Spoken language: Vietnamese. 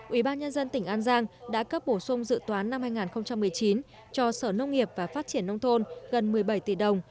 ủy ban nhân dân tỉnh an giang đã cấp bổ sung dự toán năm hai nghìn một mươi chín cho sở nông nghiệp và phát triển nông thôn gần một mươi bảy tỷ đồng